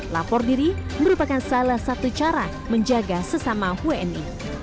lapor diri merupakan salah satu cara menjaga sesama wni